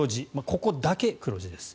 ここだけ黒字です。